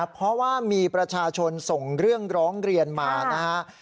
เพราะว่ามีประชาชนส่งเรื่องร้องเรียนมานะฮะ